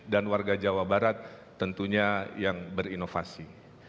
dan warga jawa barat tentunya yang berinovasi